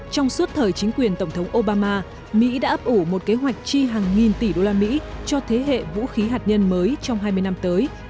trong suốt thời chính quyền tổng thống obama mỹ đã ấp ủ một kế hoạch chi hàng nghìn tỷ đô la mỹ cho thế hệ vũ khí hạt nhân mới trong hai mươi năm tới